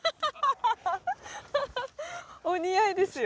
お似合いですよ。